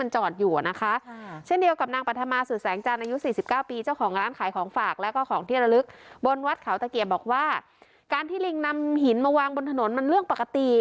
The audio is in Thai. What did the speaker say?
การที่ลิงนำหินมาวางบนถนนมันเรื่องปกติ